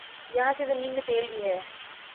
یہاں کی زمین میں تیل بھی ہے